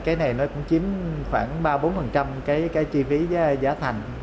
cái này nó cũng chiếm khoảng ba mươi bốn cái chi phí giá thành